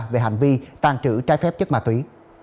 về hành vi tàn trữ trái phép chất ma túy